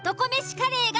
カレーや。